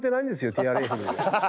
ＴＲＦに。